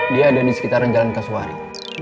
dia ada di sekitaran jalan kaswari